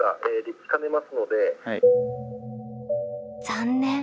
残念！